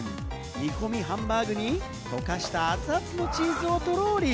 煮込みハンバーグに溶かした熱々のチーズをトロリ。